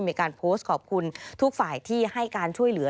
มีการโพสต์ขอบคุณทุกฝ่ายที่ให้การช่วยเหลือ